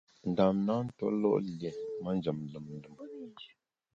Ndam na ntuólo’ lié manjem lùm lùm.